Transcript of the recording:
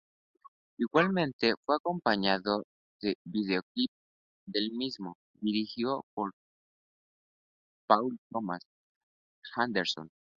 Igualmente fue acompañado del videoclip del mismo, dirigido por Paul Thomas Anderson.